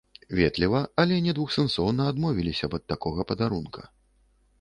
Ветліва, але недвухсэнсоўна адмовіліся б ад такога падарунка.